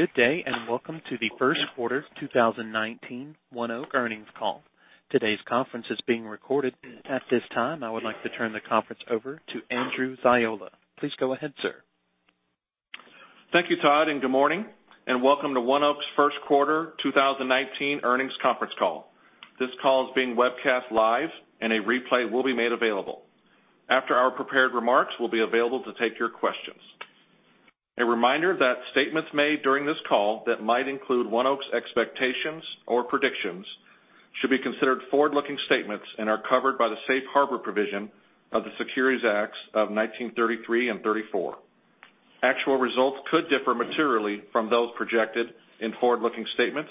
Good day, welcome to the first quarter 2019 ONEOK earnings call. Today's conference is being recorded. At this time, I would like to turn the conference over to Andrew Ziola. Please go ahead, sir. Thank you, Todd, good morning, and welcome to ONEOK's first quarter 2019 earnings conference call. This call is being webcast live, a replay will be made available. After our prepared remarks, we'll be available to take your questions. A reminder that statements made during this call that might include ONEOK's expectations or predictions should be considered forward-looking statements and are covered by the safe harbor provision of the Securities Acts of 1933 and 1934. Actual results could differ materially from those projected in forward-looking statements.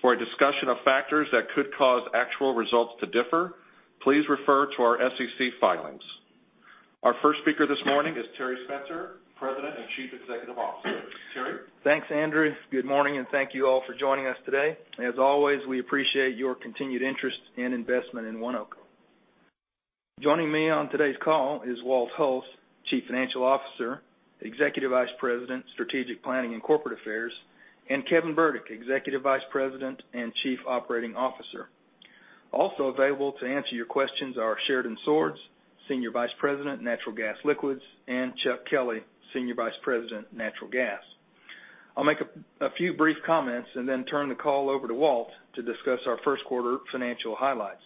For a discussion of factors that could cause actual results to differ, please refer to our SEC filings. Our first speaker this morning is Terry Spencer, President and Chief Executive Officer. Terry? Thanks, Andrew. Good morning, thank you all for joining us today. As always, we appreciate your continued interest and investment in ONEOK. Joining me on today's call is Walt Hulse, Chief Financial Officer, Executive Vice President, Strategic Planning and Corporate Affairs, Kevin Burdick, Executive Vice President and Chief Operating Officer. Also available to answer your questions are Sheridan Swords, Senior Vice President, Natural Gas Liquids, Chuck Kelly, Senior Vice President, Natural Gas. I'll make a few brief comments then turn the call over to Walt to discuss our first quarter financial highlights.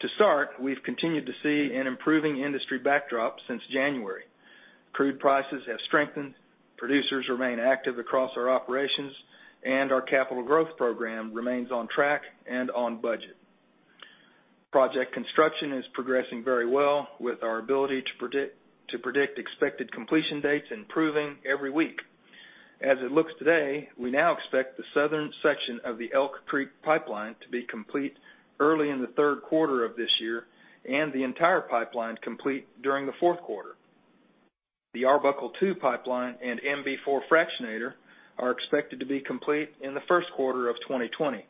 To start, we've continued to see an improving industry backdrop since January. Crude prices have strengthened, producers remain active across our operations, our capital growth program remains on track and on budget. Project construction is progressing very well with our ability to predict expected completion dates, improving every week. As it looks today, we now expect the southern section of the Elk Creek Pipeline to be complete early in the third quarter of this year and the entire pipeline complete during the fourth quarter. The Arbuckle II Pipeline and MB-4 fractionator are expected to be complete in the first quarter of 2020.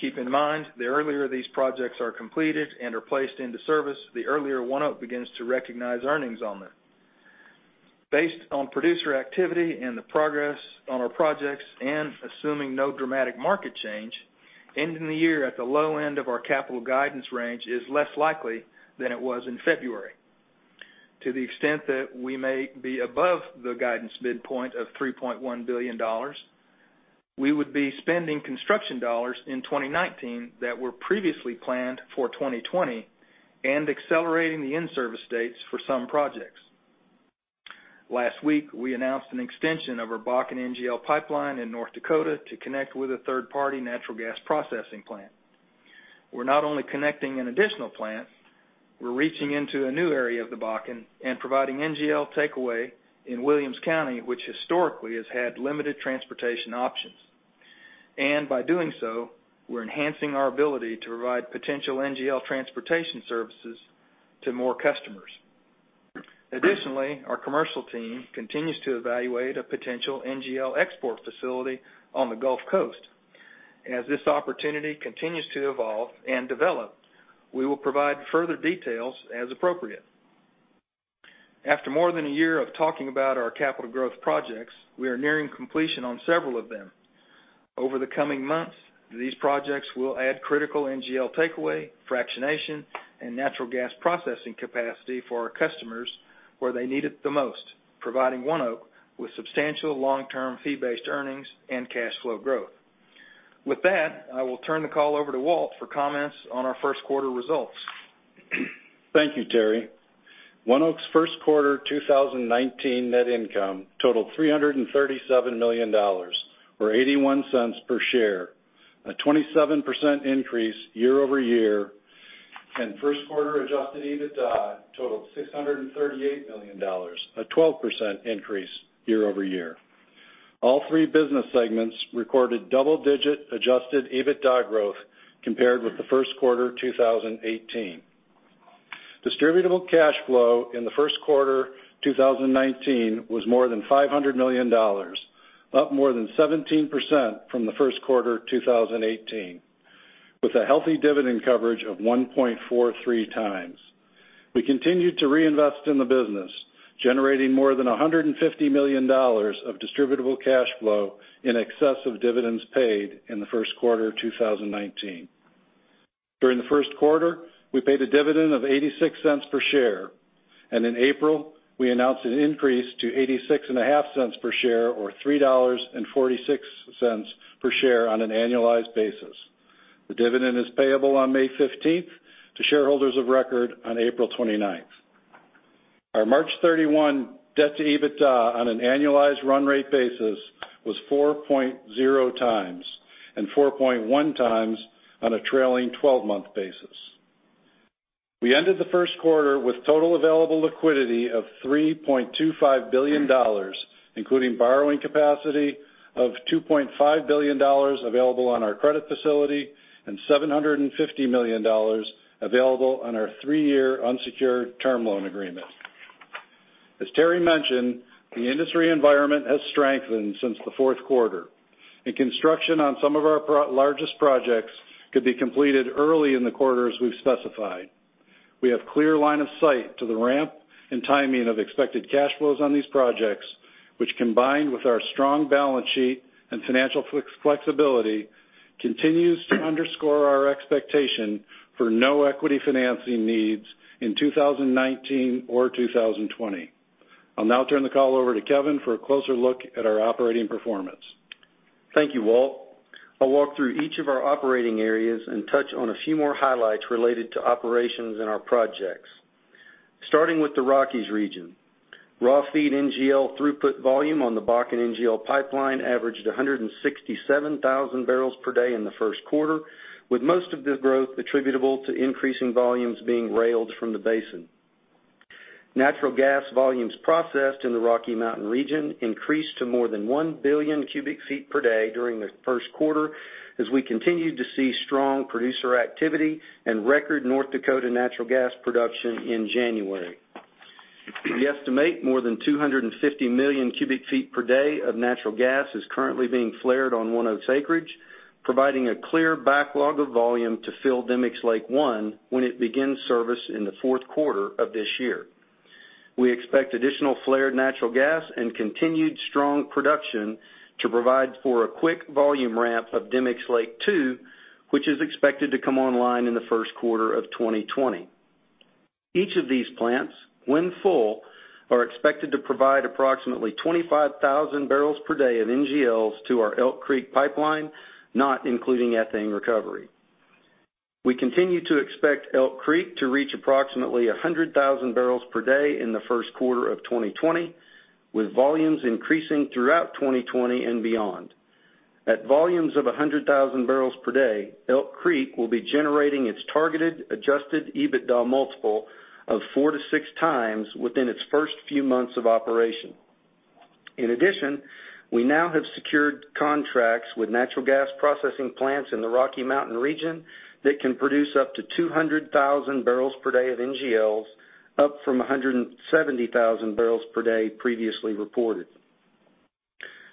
Keep in mind, the earlier these projects are completed and are placed into service, the earlier ONEOK begins to recognize earnings on them. Based on producer activity, the progress on our projects and assuming no dramatic market change, ending the year at the low end of our capital guidance range is less likely than it was in February. To the extent that we may be above the guidance midpoint of $3.1 billion, we would be spending construction dollars in 2019 that were previously planned for 2020 and accelerating the in-service dates for some projects. Last week, we announced an extension of our Bakken NGL Pipeline in North Dakota to connect with a third-party natural gas processing plant. We're not only connecting an additional plant, we're reaching into a new area of the Bakken and providing NGL takeaway in Williams County, which historically has had limited transportation options. By doing so, we're enhancing our ability to provide potential NGL transportation services to more customers. Additionally, our commercial team continues to evaluate a potential NGL export facility on the Gulf Coast. As this opportunity continues to evolve and develop, we will provide further details as appropriate. After more than a year of talking about our capital growth projects, we are nearing completion on several of them. Over the coming months, these projects will add critical NGL takeaway, fractionation, and natural gas processing capacity for our customers where they need it the most, providing ONEOK with substantial long-term fee-based earnings and cash flow growth. With that, I will turn the call over to Walt for comments on our first quarter results. Thank you, Terry. ONEOK's first quarter 2019 net income totaled $337 million, or $0.81 per share, a 27% increase year-over-year, and first quarter adjusted EBITDA totaled $638 million, a 12% increase year-over-year. All three business segments recorded double-digit adjusted EBITDA growth compared with the first quarter 2018. Distributable cash flow in the first quarter 2019 was more than $500 million, up more than 17% from the first quarter 2018, with a healthy dividend coverage of 1.43 times. We continued to reinvest in the business, generating more than $150 million of distributable cash flow in excess of dividends paid in the first quarter 2019. During the first quarter, we paid a dividend of $0.86 per share, and in April we announced an increase to $0.865 per share, or $3.46 per share on an annualized basis. The dividend is payable on May 15th to shareholders of record on April 29th. Our March 31 debt to EBITDA on an annualized run rate basis was 4.0 times and 4.1 times on a trailing 12-month basis. We ended the first quarter with total available liquidity of $3.25 billion, including borrowing capacity of $2.5 billion available on our credit facility and $750 million available on our three-year unsecured term loan agreement. As Terry mentioned, the industry environment has strengthened since the fourth quarter, construction on some of our largest projects could be completed early in the quarters we've specified. We have clear line of sight to the ramp and timing of expected cash flows on these projects, which combined with our strong balance sheet and financial flexibility, continues to underscore our expectation for no equity financing needs in 2019 or 2020. I'll now turn the call over to Kevin for a closer look at our operating performance. Thank you, Walt. I'll walk through each of our operating areas and touch on a few more highlights related to operations in our projects. Starting with the Rockies region. Raw feed NGL throughput volume on the Bakken NGL Pipeline averaged 167,000 barrels per day in the first quarter, with most of the growth attributable to increasing volumes being railed from the basin. Natural gas volumes processed in the Rocky Mountain region increased to more than one billion cubic feet per day during the first quarter, as we continued to see strong producer activity and record North Dakota natural gas production in January. We estimate more than 250 million cubic feet per day of natural gas is currently being flared on ONEOK's acreage, providing a clear backlog of volume to fill Demicks Lake I when it begins service in the fourth quarter of this year. We expect additional flared natural gas and continued strong production to provide for a quick volume ramp of Demicks Lake II, which is expected to come online in the first quarter of 2020. Each of these plants, when full, are expected to provide approximately 25,000 barrels per day of NGLs to our Elk Creek Pipeline, not including ethane recovery. We continue to expect Elk Creek to reach approximately 100,000 barrels per day in the first quarter of 2020, with volumes increasing throughout 2020 and beyond. At volumes of 100,000 barrels per day, Elk Creek will be generating its targeted adjusted EBITDA multiple of 4x to 6x within its first few months of operation. In addition, we now have secured contracts with natural gas processing plants in the Rocky Mountain region that can produce up to 200,000 barrels per day of NGLs, up from 170,000 barrels per day previously reported.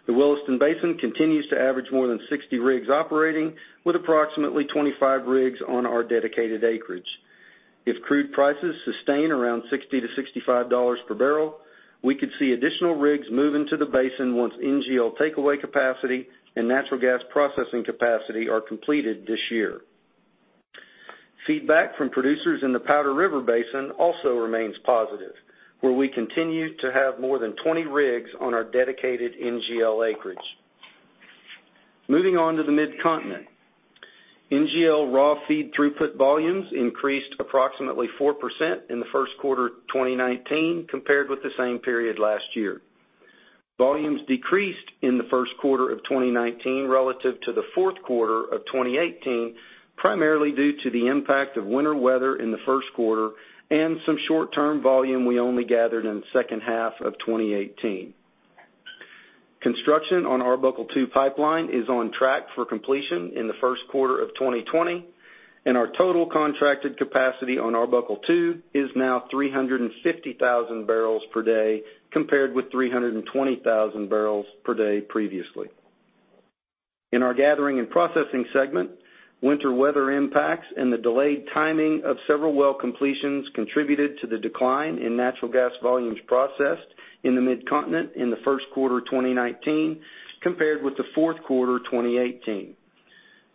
The Williston Basin continues to average more than 60 rigs operating, with approximately 25 rigs on our dedicated acreage. If crude prices sustain around $60 to $65 per barrel, we could see additional rigs move into the basin once NGL takeaway capacity and natural gas processing capacity are completed this year. Feedback from producers in the Powder River Basin also remains positive, where we continue to have more than 20 rigs on our dedicated NGL acreage. Moving on to the Midcontinent. NGL raw feed throughput volumes increased approximately 4% in the first quarter 2019 compared with the same period last year. Volumes decreased in the first quarter of 2019 relative to the fourth quarter of 2018, primarily due to the impact of winter weather in the first quarter and some short-term volume we only gathered in the second half of 2018. Construction on Arbuckle II Pipeline is on track for completion in the first quarter of 2020. Our total contracted capacity on Arbuckle II is now 350,000 barrels per day, compared with 320,000 barrels per day previously. In our Gathering and Processing Segment, winter weather impacts and the delayed timing of several well completions contributed to the decline in natural gas volumes processed in the Midcontinent in the first quarter 2019, compared with the fourth quarter 2018.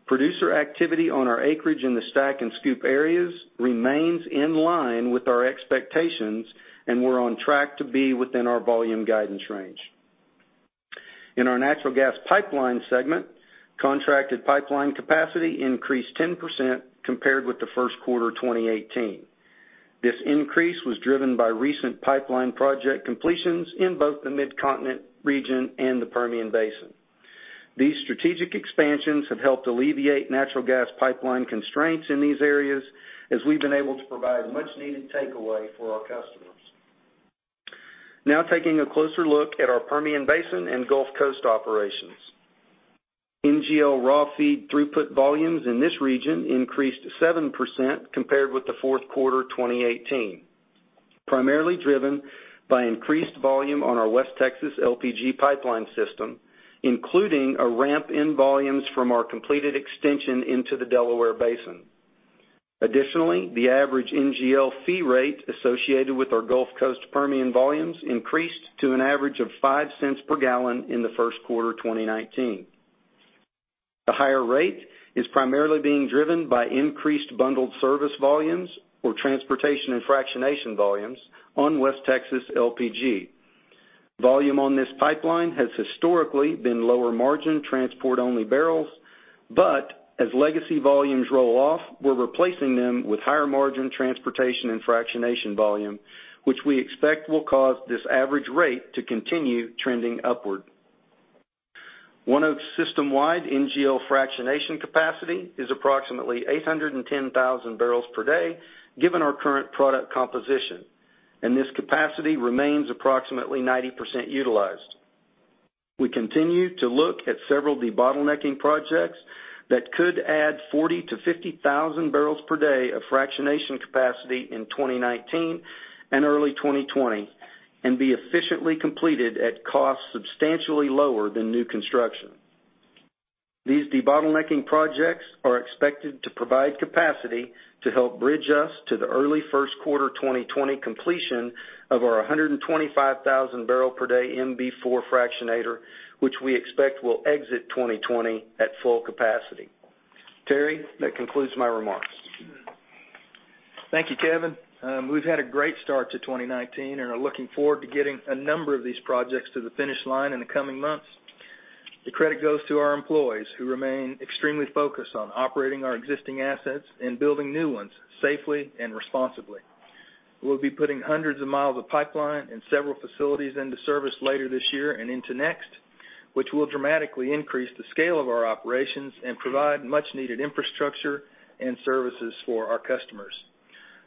Producer activity on our acreage in the STACK and SCOOP areas remains in line with our expectations. We're on track to be within our volume guidance range. In our Natural Gas Pipeline Segment, contracted pipeline capacity increased 10% compared with the first quarter 2018. This increase was driven by recent pipeline project completions in both the Midcontinent region and the Permian Basin. These strategic expansions have helped alleviate natural gas pipeline constraints in these areas, as we've been able to provide much-needed takeaway for our customers. Now taking a closer look at our Permian Basin and Gulf Coast operations. NGL raw feed throughput volumes in this region increased 7% compared with the fourth quarter 2018, primarily driven by increased volume on our West Texas LPG Pipeline system, including a ramp in volumes from our completed extension into the Delaware Basin. Additionally, the average NGL fee rate associated with our Gulf Coast Permian volumes increased to an average of $0.05 per gallon in the first quarter 2019. The higher rate is primarily being driven by increased bundled service volumes or transportation and fractionation volumes on West Texas LPG. Volume on this pipeline has historically been lower margin transport-only barrels. As legacy volumes roll off, we're replacing them with higher margin transportation and fractionation volume, which we expect will cause this average rate to continue trending upward. ONEOK's system-wide NGL fractionation capacity is approximately 810,000 barrels per day, given our current product composition. This capacity remains approximately 90% utilized. We continue to look at several debottlenecking projects that could add 40,000-50,000 barrels per day of fractionation capacity in 2019 and early 2020, and be efficiently completed at costs substantially lower than new construction. These debottlenecking projects are expected to provide capacity to help bridge us to the early first quarter 2020 completion of our 125,000 barrel per day MB-4 fractionator, which we expect will exit 2020 at full capacity. Terry, that concludes my remarks. Thank you, Kevin. We've had a great start to 2019 and are looking forward to getting a number of these projects to the finish line in the coming months. The credit goes to our employees, who remain extremely focused on operating our existing assets and building new ones safely and responsibly. We'll be putting hundreds of miles of pipeline and several facilities into service later this year and into next, which will dramatically increase the scale of our operations and provide much-needed infrastructure and services for our customers.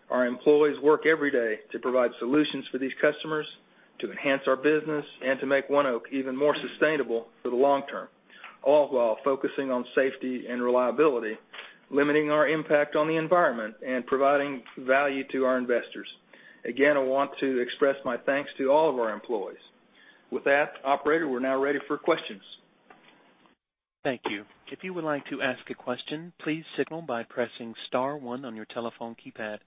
Our employees work every day to provide solutions for these customers, to enhance our business, and to make ONEOK even more sustainable for the long term, all while focusing on safety and reliability, limiting our impact on the environment, and providing value to our investors. Again, I want to express my thanks to all of our employees. With that, operator, we're now ready for questions. Thank you. If you would like to ask a question, please signal by pressing *1 on your telephone keypad.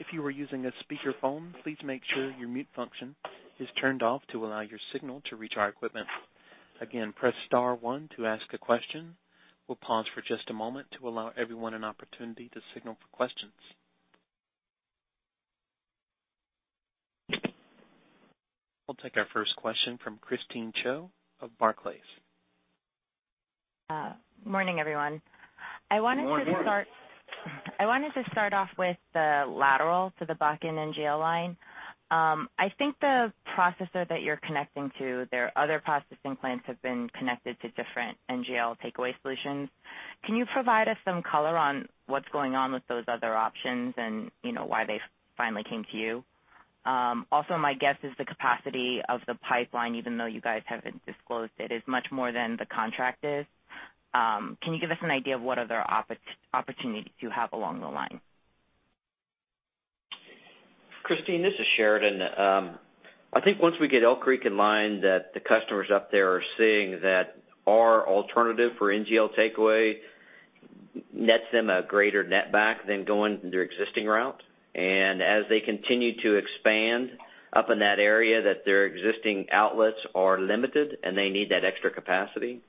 If you are using a speakerphone, please make sure your mute function is turned off to allow your signal to reach our equipment. Again, press *1 to ask a question. We'll pause for just a moment to allow everyone an opportunity to signal for questions. We'll take our first question from Christine Cho of Barclays. Morning, everyone. Morning. I wanted to start off with the lateral to the Bakken NGL line. I think the processor that you're connecting to, their other processing plants have been connected to different NGL takeaway solutions. Can you provide us some color on what's going on with those other options and why they finally came to you? My guess is the capacity of the pipeline, even though you guys haven't disclosed it, is much more than the contract is. Can you give us an idea of what other opportunities you have along the line? Christine, this is Sheridan. I think once we get Elk Creek in line, the customers up there are seeing that our alternative for NGL takeaway nets them a greater net back than going their existing route. As they continue to expand up in that area, their existing outlets are limited, and they need that extra capacity.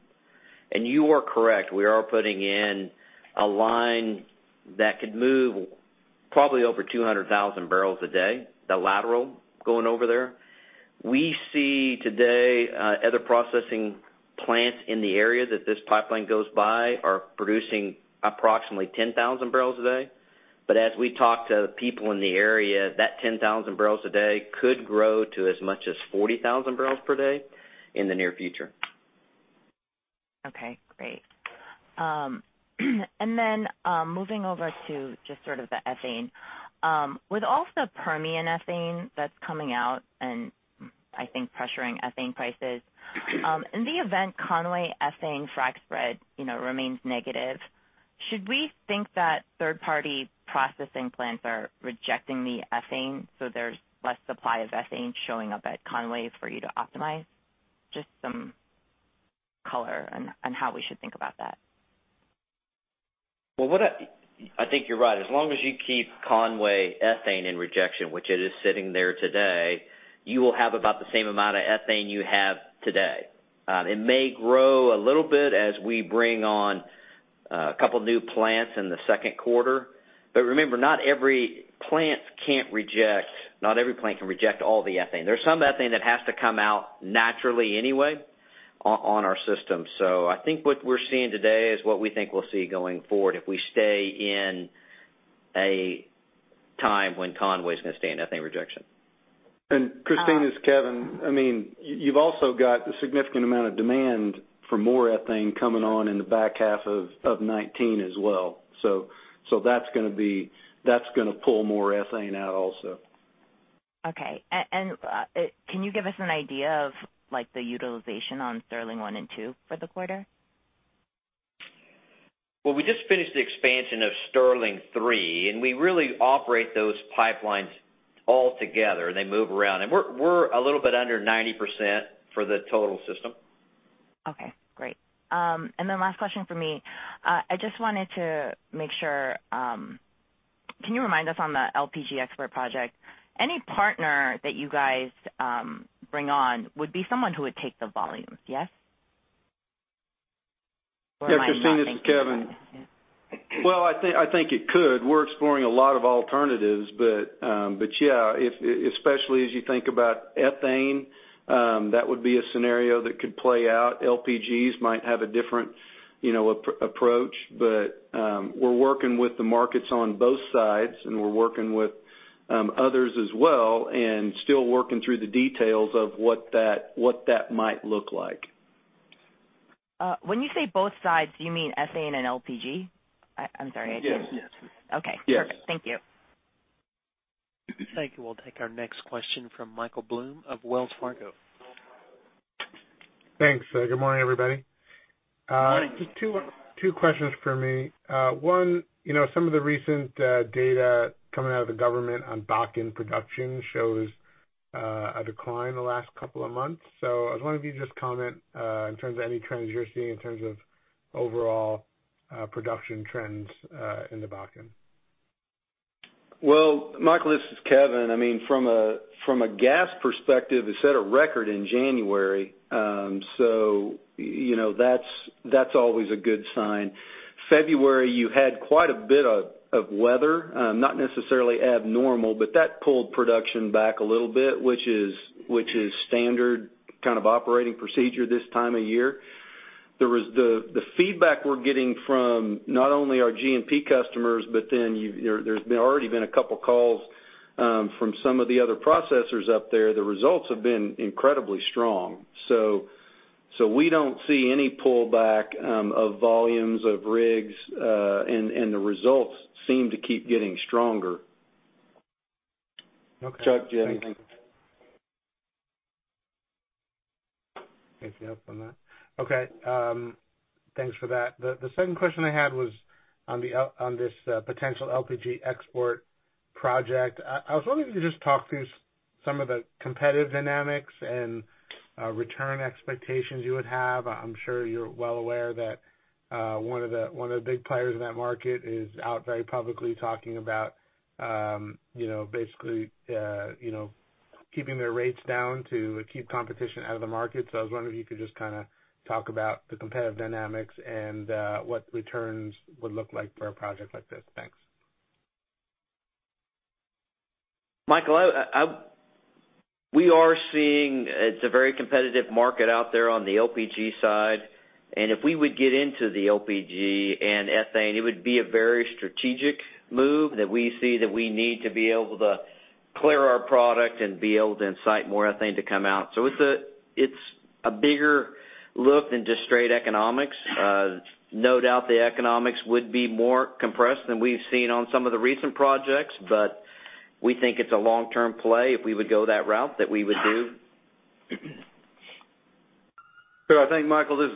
You are correct, we are putting in a line that could move probably over 200,000 barrels a day, the lateral going over there. We see today other processing plants in the area that this pipeline goes by are producing approximately 10,000 barrels a day. As we talk to people in the area, that 10,000 barrels a day could grow to as much as 40,000 barrels per day in the near future. Okay, great. Moving over to just sort of the ethane. With all the Permian ethane that's coming out and I think pressuring ethane prices, in the event Conway ethane frac spread remains negative, should we think that third-party processing plants are rejecting the ethane, so there's less supply of ethane showing up at Conway for you to optimize? Just some color on how we should think about that. I think you're right. As long as you keep Conway ethane in rejection, which it is sitting there today, you will have about the same amount of ethane you have today. It may grow a little bit as we bring on a couple new plants in the second quarter. Remember, not every plant can reject all the ethane. There's some ethane that has to come out naturally anyway on our system. I think what we're seeing today is what we think we'll see going forward if we stay in a time when Conway's going to stay in ethane rejection. Christine, it's Kevin. You've also got a significant amount of demand for more ethane coming on in the back half of 2019 as well. That's gonna pull more ethane out also. Can you give us an idea of the utilization on Sterling I and II for the quarter? We just finished the expansion of Sterling III, we really operate those pipelines all together, and they move around. We're a little bit under 90% for the total system. Last question from me. I just wanted to make sure. Can you remind us on the LPG export project, any partner that you guys bring on would be someone who would take the volumes, yes? Or am I not thinking about it- Yeah, Christine, this is Kevin. I think it could. We're exploring a lot of alternatives. Yeah, especially as you think about ethane, that would be a scenario that could play out. LPGs might have a different approach. We're working with the markets on both sides, and we're working with others as well and still working through the details of what that might look like. When you say both sides, do you mean ethane and LPG? I'm sorry, I didn't. Yes. Okay. Yes. Perfect. Thank you. Thank you. We'll take our next question from Michael Blum of Wells Fargo. Thanks. Good morning, everybody. Morning. Just two questions for me. One, some of the recent data coming out of the government on Bakken production shows A decline in the last couple of months. I was wondering if you could just comment in terms of any trends you're seeing in terms of overall production trends in the Bakken. Well, Michael, this is Kevin. From a gas perspective, it set a record in January. That's always a good sign. February, you had quite a bit of weather. Not necessarily abnormal, but that pulled production back a little bit, which is standard kind of operating procedure this time of year. The feedback we're getting from not only our G&P customers, but then there's already been a couple calls from some of the other processors up there. The results have been incredibly strong. We don't see any pullback of volumes, of rigs, and the results seem to keep getting stronger. Okay. Chuck, Jim. Anything else on that? Okay. Thanks for that. The second question I had was on this potential LPG export project. I was wondering if you could just talk through some of the competitive dynamics and return expectations you would have. I'm sure you're well aware that one of the big players in that market is out very publicly talking about basically keeping their rates down to keep competition out of the market. I was wondering if you could just talk about the competitive dynamics and what the returns would look like for a project like this. Thanks. Michael, we are seeing it's a very competitive market out there on the LPG side. If we would get into the LPG and ethane, it would be a very strategic move that we see that we need to be able to clear our product and be able to incite more ethane to come out. It's a bigger look than just straight economics. No doubt the economics would be more compressed than we've seen on some of the recent projects, but we think it's a long-term play if we would go that route, that we would do. Sure. I think, Michael, this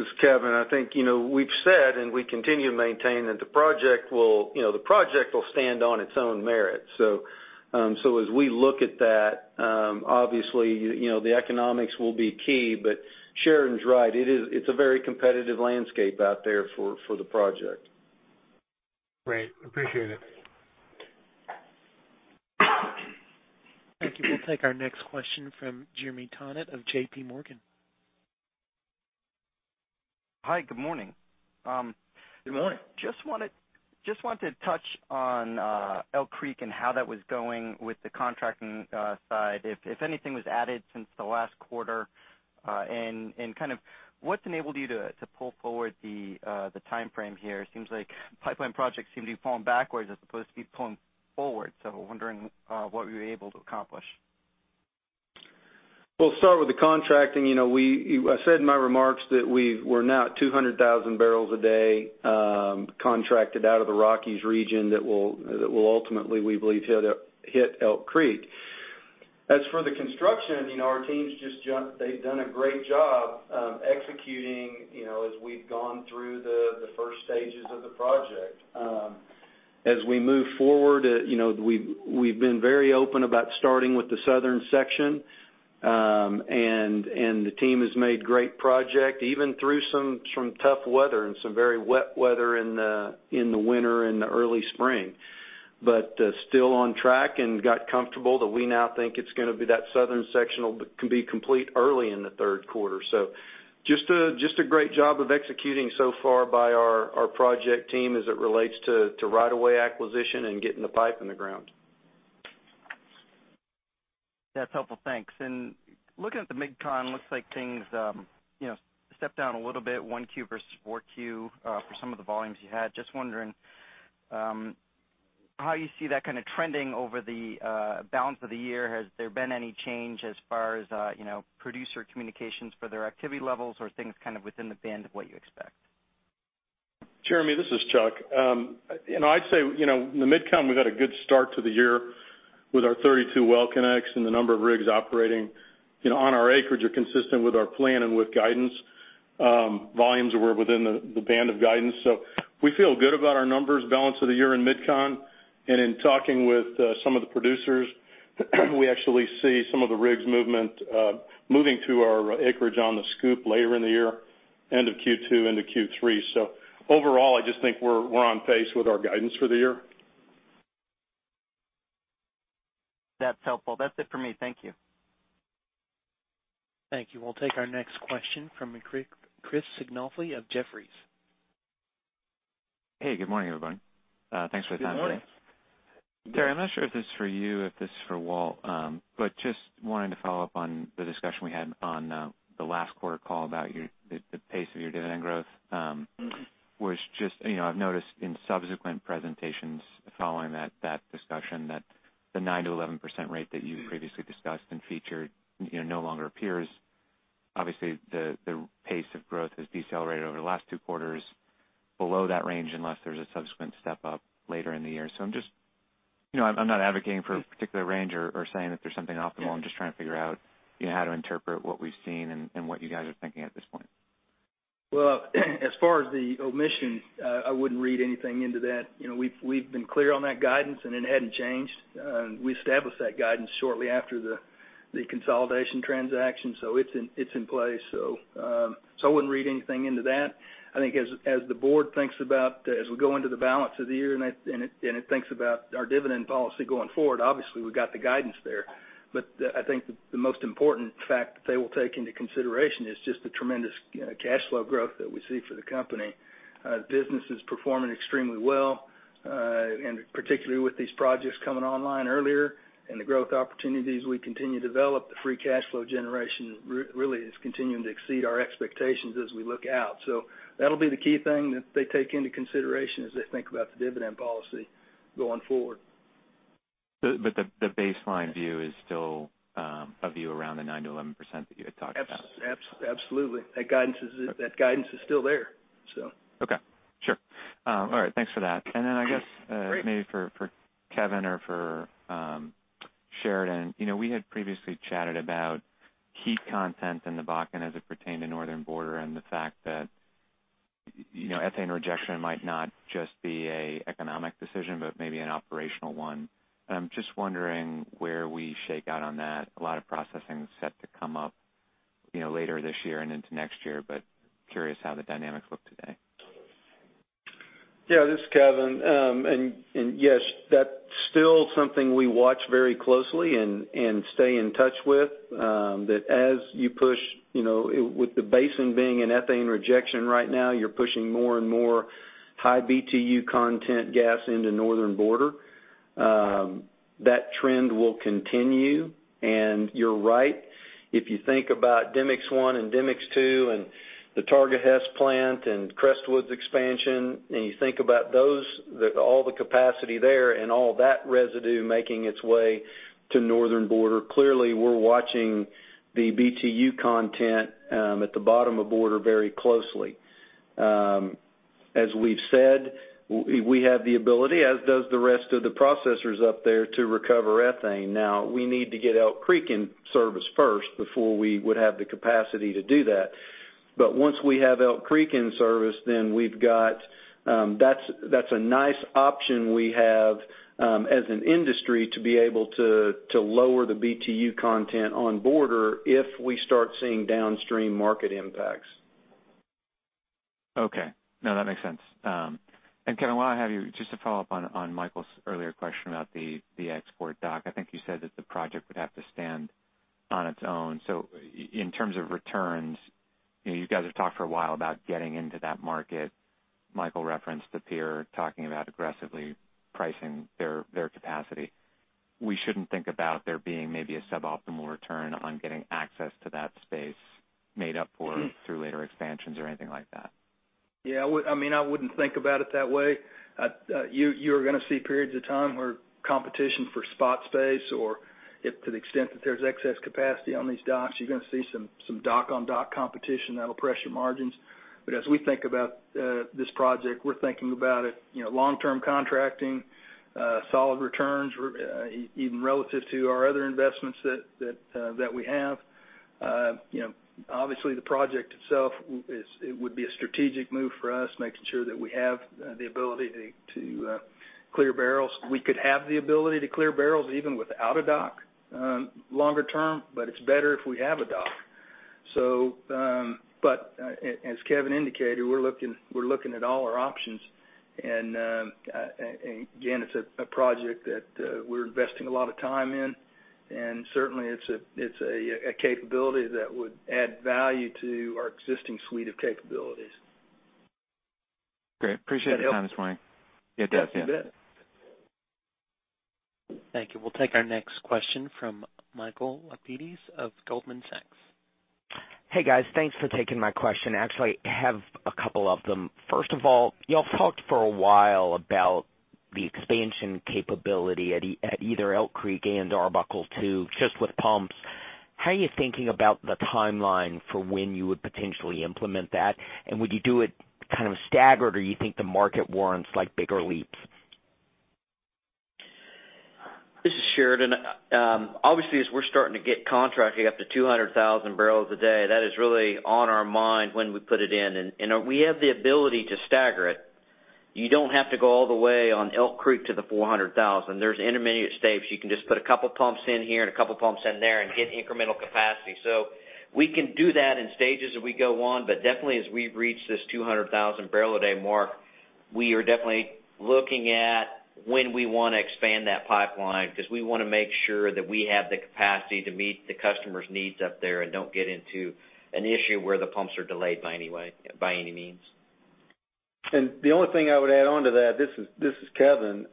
is Kevin. I think we've said, and we continue to maintain, that the project will stand on its own merit. As we look at that, obviously, the economics will be key. Sheridan's right. It's a very competitive landscape out there for the project. Great. Appreciate it. Thank you. We'll take our next question from Jeremy Tonet of JPMorgan. Hi, good morning. Good morning. Just wanted to touch on Elk Creek and how that was going with the contracting side. If anything was added since the last quarter, and what's enabled you to pull forward the timeframe here? It seems like pipeline projects seem to be pulling backwards as opposed to be pulling forward. I'm wondering what we were able to accomplish. We'll start with the contracting. I said in my remarks that we're now at 200,000 barrels a day contracted out of the Rockies region that will ultimately, we believe, hit Elk Creek. As for the construction, our teams, they've done a great job executing as we've gone through the first stages of the project. As we move forward, we've been very open about starting with the southern section. The team has made great project, even through some tough weather and some very wet weather in the winter and the early spring. Still on track and got comfortable that we now think that southern section can be complete early in the third quarter. Just a great job of executing so far by our project team as it relates to right-of-way acquisition and getting the pipe in the ground. That's helpful. Thanks. Looking at the MidCon, looks like things stepped down a little bit, one Q versus four Q for some of the volumes you had. Just wondering how you see that kind of trending over the balance of the year. Has there been any change as far as producer communications for their activity levels, or are things kind of within the band of what you expect? Jeremy, this is Chuck. I'd say, in the MidCon, we got a good start to the year with our 32 well connects and the number of rigs operating on our acreage are consistent with our plan and with guidance. Volumes were within the band of guidance. We feel good about our numbers balance of the year in MidCon. In talking with some of the producers, we actually see some of the rigs movement moving to our acreage on the scoop later in the year, end of Q2 into Q3. Overall, I just think we're on pace with our guidance for the year. That's helpful. That's it for me. Thank you. Thank you. We'll take our next question from Chris Sighinolfi of Jefferies. Hey, good morning, everyone. Thanks for the time today. Good morning. Terry, I'm not sure if this is for you or if this is for Walt. Just wanting to follow up on the discussion we had on the last quarter call about the pace of your dividend growth. I've noticed in subsequent presentations following that discussion that the 9%-11% rate that you previously discussed and featured no longer appears. Obviously, the pace of growth has decelerated over the last two quarters below that range, unless there's a subsequent step-up later in the year. I'm not advocating for a particular range or saying that there's something optimal. I'm just trying to figure out how to interpret what we've seen and what you guys are thinking at this point. Well, as far as the omission, I wouldn't read anything into that. We've been clear on that guidance, and it hadn't changed. We established that guidance shortly after the consolidation transaction, so it's in place. I wouldn't read anything into that. I think as the board thinks about as we go into the balance of the year, and it thinks about our dividend policy going forward, obviously, we've got the guidance there. I think the most important fact that they will take into consideration is just the tremendous cash flow growth that we see for the company. Business is performing extremely well, and particularly with these projects coming online earlier and the growth opportunities we continue to develop, the free cash flow generation really is continuing to exceed our expectations as we look out. That'll be the key thing that they take into consideration as they think about the dividend policy going forward. The baseline view is still a view around the 9%-11% that you had talked about? Absolutely. That guidance is still there. Okay. Sure. All right. Thanks for that. Great maybe for Kevin or for Sheridan. We had previously chatted about heat content in the Bakken as it pertained to Northern Border, and the fact that ethane rejection might not just be an economic decision, but maybe an operational one. I'm just wondering where we shake out on that. A lot of processing's set to come up later this year and into next year. Curious how the dynamics look today. Yeah, this is Kevin. Yes, that's still something we watch very closely and stay in touch with. That as you push with the basin being in ethane rejection right now, you're pushing more and more high BTU content gas into Northern Border. That trend will continue, and you're right. If you think about Demicks Lake I and Demicks Lake II, and the Targa/Hess JV plant, and Crestwood's expansion, and you think about those, all the capacity there and all that residue making its way to Northern Border, clearly we're watching the BTU content at the bottom of Border very closely. As we've said, we have the ability, as does the rest of the processors up there, to recover ethane. Now, we need to get Elk Creek in service first before we would have the capacity to do that. Once we have Elk Creek in service, that's a nice option we have as an industry to be able to lower the BTU content on Border if we start seeing downstream market impacts. Okay. No, that makes sense. Kevin, while I have you, just to follow up on Michael's earlier question about the export dock. I think you said that the project would have to stand on its own. In terms of returns, you guys have talked for a while about getting into that market. Michael referenced the peer talking about aggressively pricing their capacity. We shouldn't think about there being maybe a suboptimal return on getting access to that space made up for through later expansions or anything like that? Yeah. I wouldn't think about it that way. You're going to see periods of time where competition for spot space or to the extent that there's excess capacity on these docks, you're going to see some dock-on-dock competition that'll press your margins. As we think about this project, we're thinking about it, long-term contracting, solid returns, even relative to our other investments that we have. Obviously, the project itself would be a strategic move for us, making sure that we have the ability to clear barrels. We could have the ability to clear barrels even without a dock longer term, but it's better if we have a dock. As Kevin indicated, we're looking at all our options, and again, it's a project that we're investing a lot of time in, and certainly it's a capability that would add value to our existing suite of capabilities. Great. Appreciate the time this morning. That help? Yeah, it does. Yeah. You bet. Thank you. We'll take our next question from Michael Lapides of Goldman Sachs. Hey, guys. Thanks for taking my question. Actually, I have a couple of them. First of all, you all talked for a while about the expansion capability at either Elk Creek and Arbuckle II, just with pumps. How are you thinking about the timeline for when you would potentially implement that? Would you do it kind of staggered, or you think the market warrants like bigger leaps? This is Sheridan. Obviously, as we're starting to get contracting up to 200,000 barrels a day, that is really on our mind when we put it in. We have the ability to stagger it. You don't have to go all the way on Elk Creek to the 400,000. There's intermediate stakes. You can just put a couple pumps in here and a couple pumps in there and get incremental capacity. We can do that in stages as we go on. Definitely as we reach this 200,000-barrel-a-day mark, we are definitely looking at when we want to expand that pipeline because we want to make sure that we have the capacity to meet the customer's needs up there and don't get into an issue where the pumps are delayed by any means. The only thing I would add on to that, this is Kevin,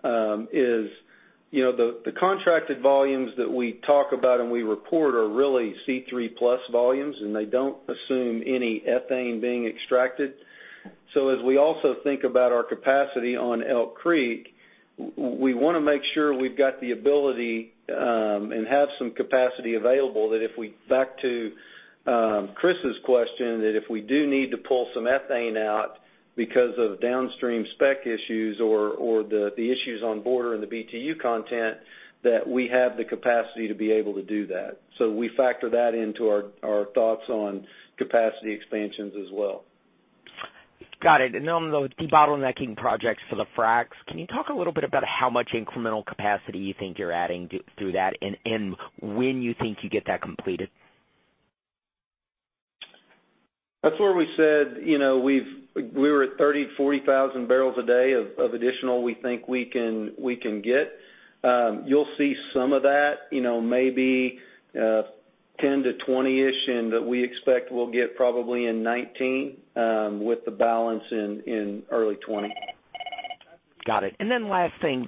is the contracted volumes that we talk about and we report are really C3+ volumes, and they don't assume any ethane being extracted. As we also think about our capacity on Elk Creek, we want to make sure we've got the ability and have some capacity available that if we back to Chris's question, that if we do need to pull some ethane out because of downstream spec issues or the issues on border and the BTU content, that we have the capacity to be able to do that. We factor that into our thoughts on capacity expansions as well. Got it. On the debottlenecking projects for the fracs, can you talk a little bit about how much incremental capacity you think you're adding through that, and when you think you get that completed? That's where we said we were at 30,000, 40,000 barrels a day of additional we think we can get. You'll see some of that, maybe 10 to 20-ish, that we expect we'll get probably in 2019, with the balance in early 2020. Got it. Last thing,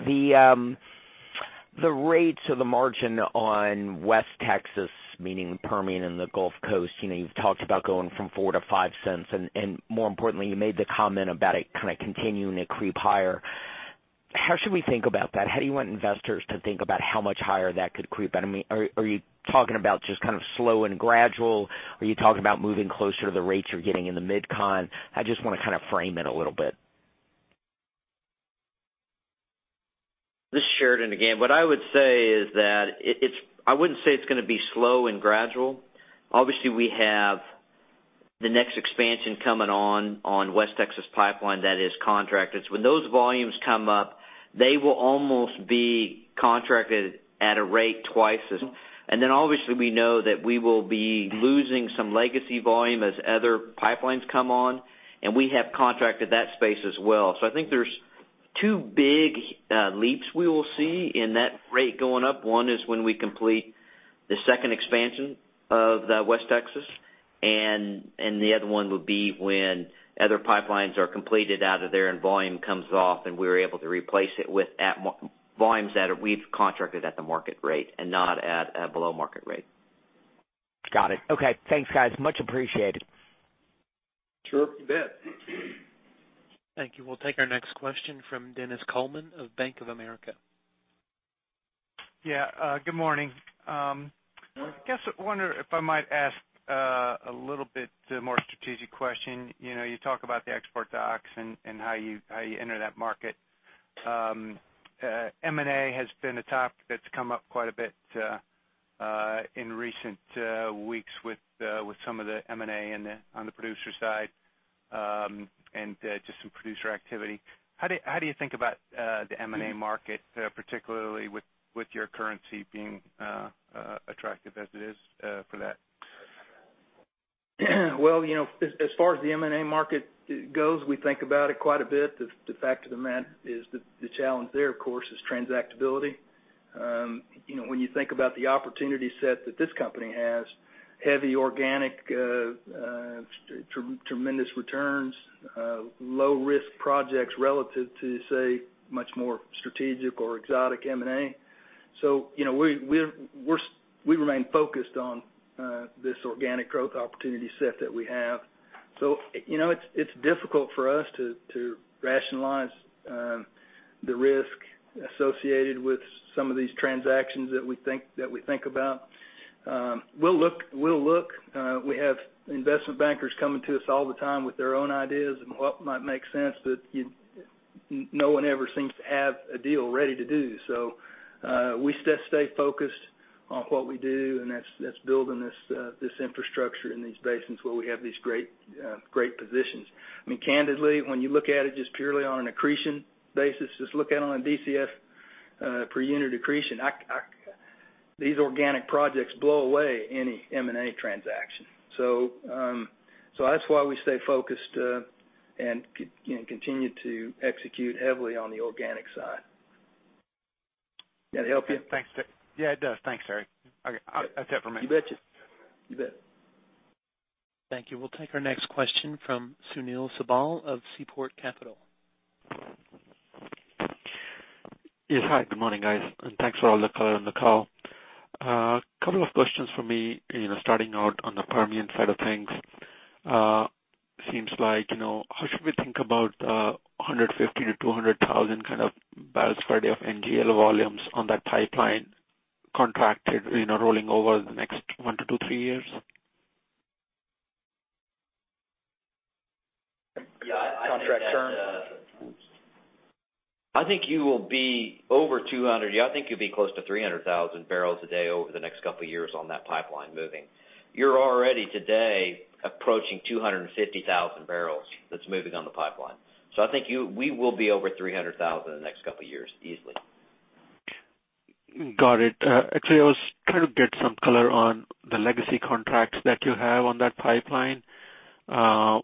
the rates or the margin on West Texas, meaning Permian and the Gulf Coast. You've talked about going from $0.04 to $0.05 and more importantly, you made the comment about it kind of continuing to creep higher. How should we think about that? How do you want investors to think about how much higher that could creep? Are you talking about just kind of slow and gradual? Are you talking about moving closer to the rates you're getting in the MidCon? I just want to kind of frame it a little bit. This is Sheridan again. What I would say is that I wouldn't say it's going to be slow and gradual. Obviously, we have the next expansion coming on West Texas Pipeline that is contracted. When those volumes come up, they will almost be contracted at a rate. Obviously we know that we will be losing some legacy volume as other pipelines come on, and we have contracted that space as well. I think there's two big leaps we will see in that rate going up. One is when we complete the second expansion of the West Texas, and the other one will be when other pipelines are completed out of there and volume comes off, and we're able to replace it with volumes that we've contracted at the market rate and not at below market rate. Got it. Okay. Thanks, guys. Much appreciated. Sure. You bet. Thank you. We'll take our next question from Dennis Coleman of Bank of America. Yeah, good morning. I guess I wonder if I might ask a little bit more strategic question. You talk about the export docks and how you enter that market. M&A has been a topic that's come up quite a bit in recent weeks with some of the M&A on the producer side, and just some producer activity. How do you think about the M&A market, particularly with your currency being attractive as it is for that? Well, as far as the M&A market goes, we think about it quite a bit. The fact of the matter is the challenge there, of course, is transactability. When you think about the opportunity set that this company has, heavy organic, tremendous returns, low risk projects relative to, say, much more strategic or exotic M&A. We remain focused on this organic growth opportunity set that we have. It's difficult for us to rationalize the risk associated with some of these transactions that we think about. We'll look. We have investment bankers coming to us all the time with their own ideas and what might make sense, no one ever seems to have a deal ready to do so. We just stay focused on what we do, and that's building this infrastructure in these basins where we have these great positions. I mean, candidly, when you look at it just purely on an accretion basis, just look at it on a DCF per unit accretion. These organic projects blow away any M&A transaction. That's why we stay focused, and continue to execute heavily on the organic side. Did that help you? Yeah, it does. Thanks, Terry. Okay. That's it for me. You betcha. You bet. Thank you. We'll take our next question from Sunil Sibal of Seaport Global. Yes. Hi, good morning, guys, and thanks for all the color on the call. A couple of questions from me. Starting out on the Permian side of things. Seems like how should we think about 150,000 to 200,000 kind of barrels per day of NGL volumes on that pipeline contracted rolling over the next one to two, three years? Yeah, I think. Contract term? I think you will be over 200. Yeah. I think you'll be close to 300,000 barrels a day over the next couple of years on that pipeline moving. You're already today approaching 250,000 barrels that's moving on the pipeline. I think we will be over 300,000 in the next couple of years easily. Got it. Actually, I was trying to get some color on the legacy contracts that you have on that pipeline. How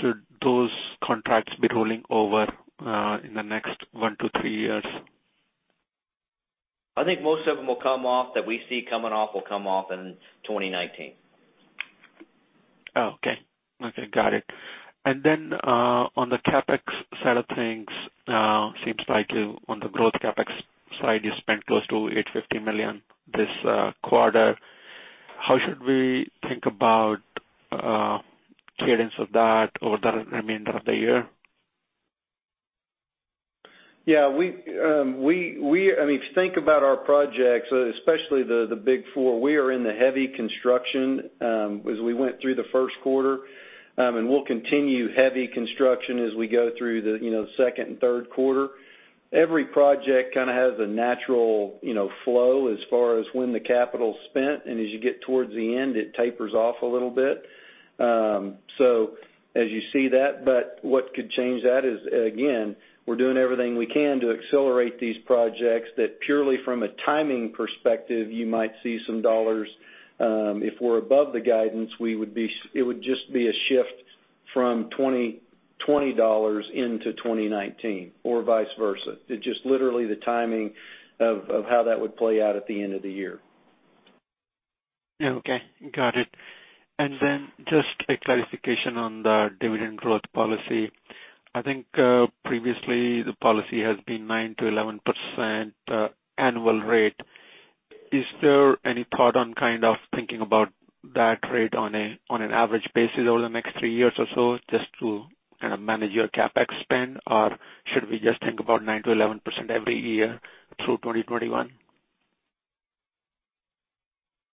should those contracts be rolling over in the next one to three years? I think most of them will come off that we see coming off in 2019. Oh, okay. Got it. Then, on the CapEx side of things, seems like on the growth CapEx side, you spent close to $850 million this quarter. How should we think about cadence of that over the remainder of the year? Yeah. If you think about our projects, especially the big four, we are in the heavy construction as we went through the first quarter, we'll continue heavy construction as we go through the second and third quarter. Every project kind of has a natural flow as far as when the capital's spent, and as you get towards the end, it tapers off a little bit. As you see that, what could change that is, again, we're doing everything we can to accelerate these projects that purely from a timing perspective, you might see some dollars. If we're above the guidance, it would just be a shift from 2020 dollars into 2019 or vice versa. It's just literally the timing of how that would play out at the end of the year. Yeah. Okay. Got it. Just a clarification on the dividend growth policy. I think, previously, the policy has been 9%-11% annual rate. Is there any thought on kind of thinking about that rate on an average basis over the next three years or so, just to kind of manage your CapEx spend? Or should we just think about 9%-11% every year through 2021?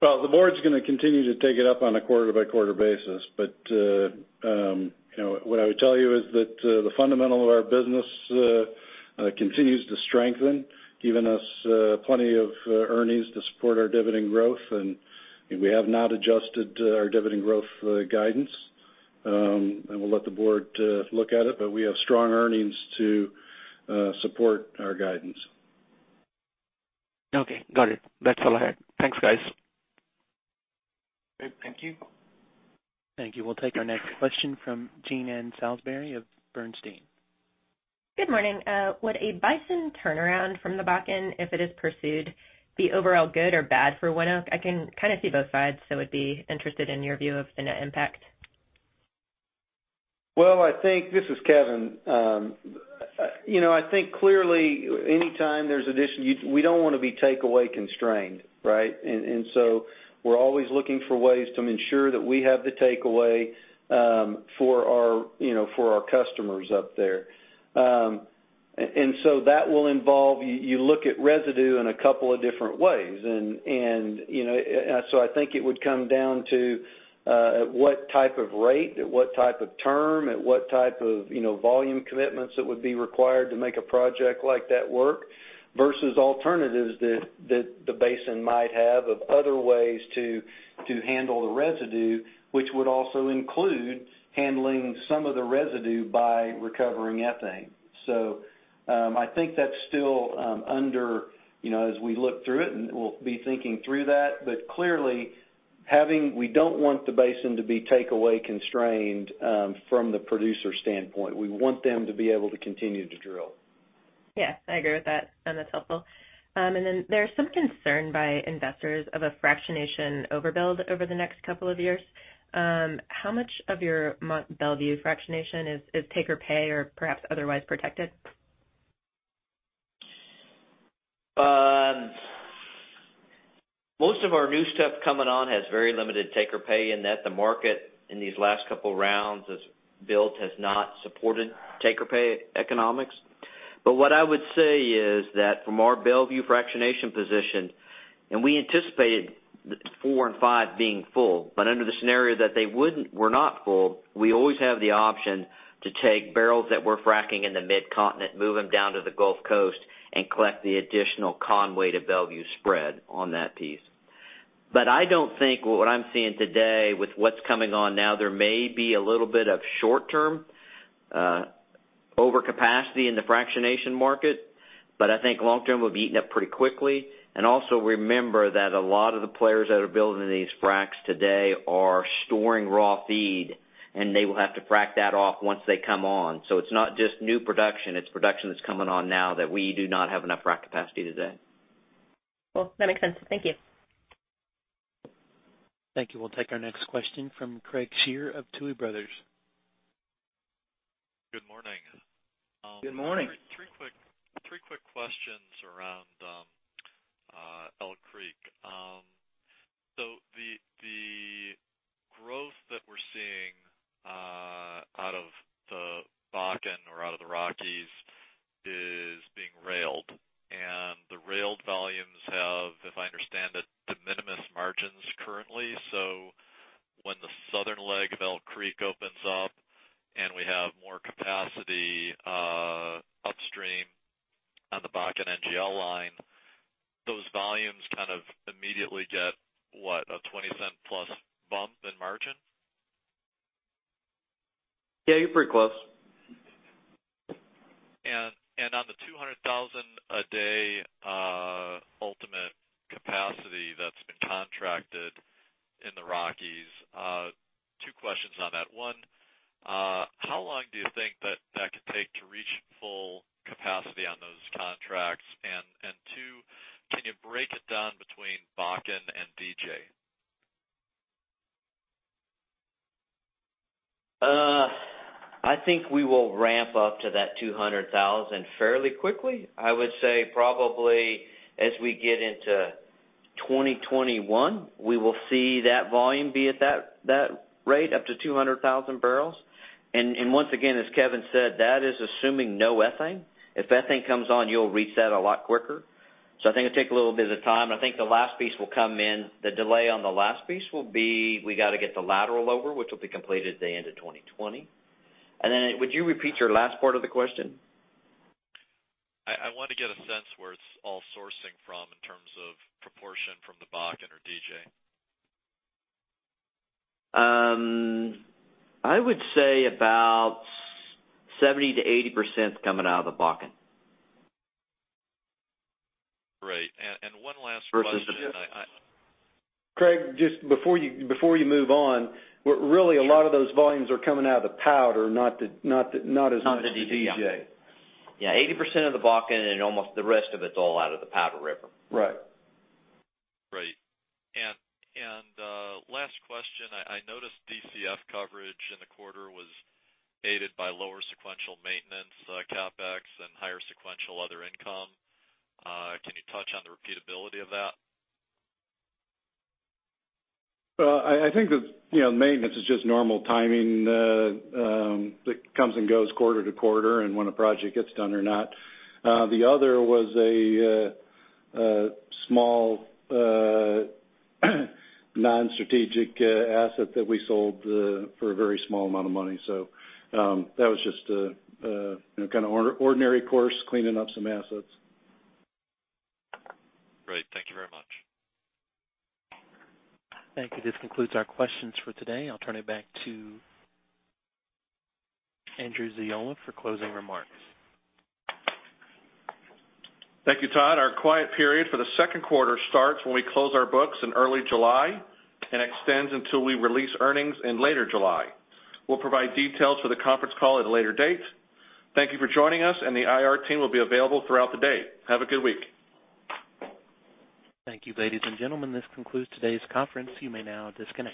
Well, the board's going to continue to take it up on a quarter-by-quarter basis. What I would tell you is that the fundamental of our business continues to strengthen, giving us plenty of earnings to support our dividend growth, we have not adjusted our dividend growth guidance. We'll let the board look at it, we have strong earnings to support our guidance. Okay. Got it. That's all I had. Thanks, guys. Great. Thank you. Thank you. We'll take our next question from Jeananne Salisbury of Bernstein. Good morning. Would a basin turnaround from the Bakken, if it is pursued, be overall good or bad for ONEOK? I can kind of see both sides, so would be interested in your view of the net impact. Well, this is Kevin. I think clearly anytime there's addition, we don't want to be takeaway constrained, right? We're always looking for ways to ensure that we have the takeaway for our customers up there. That will involve you look at residue in a couple of different ways. I think it would come down to at what type of rate, at what type of term, at what type of volume commitments that would be required to make a project like that work, versus alternatives that the basin might have of other ways to handle the residue, which would also include handling some of the residue by recovering ethane. I think that's still under, as we look through it, and we'll be thinking through that. Clearly, we don't want the basin to be takeaway constrained from the producer standpoint. We want them to be able to continue to drill. I agree with that, and that's helpful. Then there's some concern by investors of a fractionation overbuild over the next couple of years. How much of your Bellevue fractionation is take-or-pay or perhaps otherwise protected? Most of our new stuff coming on has very limited take-or-pay in that the market in these last couple rounds as built has not supported take-or-pay economics. What I would say is that from our Bellevue fractionation position, and we anticipated 4 and 5 being full, but under the scenario that they were not full, we always have the option to take barrels that we're fracking in the mid-continent, move them down to the Gulf Coast, and collect the additional Conway to Bellevue spread on that piece. I don't think what I'm seeing today with what's coming on now, there may be a little bit of short-term overcapacity in the fractionation market, but I think long term, we'll be eating up pretty quickly. Also remember that a lot of the players that are building these fracs today are storing raw feed, and they will have to frac that off once they come on. It's not just new production, it's production that's coming on now that we do not have enough frac capacity today. Cool. That makes sense. Thank you. Thank you. We'll take our next question from Craig Shere of Tuohy Brothers. Good morning. Good morning. Three quick questions around Elk Creek. The growth that we're seeing out of the Bakken or out of the Rockies is being railed, and the railed volumes have, if I understand it, de minimis margins currently. When the southern leg of Elk Creek opens up and we have more capacity upstream on the Bakken NGL line, those volumes kind of immediately get, what, a $0.20 plus bump in margin? Yeah, you're pretty close. On the 200,000 a day ultimate capacity that's been contracted in the Rockies, two questions on that. One, how long do you think that that could take to reach full capacity on those contracts? And two, can you break it down between Bakken and DJ? I think we will ramp up to that 200,000 fairly quickly. I would say probably as we get into 2021, we will see that volume be at that rate up to 200,000 barrels. Once again, as Kevin said, that is assuming no ethane. If ethane comes on, you'll reach that a lot quicker. I think it'll take a little bit of time. I think the last piece will come in. The delay on the last piece will be, we got to get the lateral over, which will be completed at the end of 2020. Then would you repeat your last part of the question? I want to get a sense where it's all sourcing from in terms of proportion from the Bakken or DJ. I would say about 70%-80% is coming out of the Bakken. Great. One last question. Craig, just before you move on, really a lot of those volumes are coming out of the Powder, not as much. Not the DJ the DJ. Yeah, 80% of the Bakken and almost the rest of it's all out of the Powder River. Right. Right. Last question. I noticed DCF coverage in the quarter was aided by lower sequential maintenance, CapEx, and higher sequential other income. Can you touch on the repeatability of that? I think that maintenance is just normal timing that comes and goes quarter to quarter and when a project gets done or not. The other was a small non-strategic asset that we sold for a very small amount of money. That was just ordinary course cleaning up some assets. Great. Thank you very much. Thank you. This concludes our questions for today. I'll turn it back to Andrew Ziola for closing remarks. Thank you, Todd. Our quiet period for the second quarter starts when we close our books in early July and extends until we release earnings in later July. We'll provide details for the conference call at a later date. Thank you for joining us, and the IR team will be available throughout the day. Have a good week. Thank you, ladies and gentlemen. This concludes today's conference. You may now disconnect.